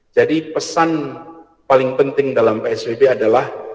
jadi pesan paling penting dalam psbb adalah